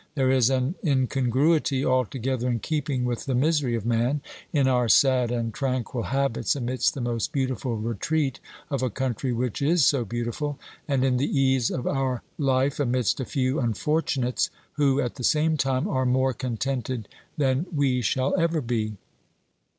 There is an incongruity, altogether in keeping with the misery of man, in our sad and tranquil habits amidst the most beautiful retreat of a country which is so beautiful, and in the ease of our life amidst a few unfortunates who, at the same time, are more contented than we shall ever be.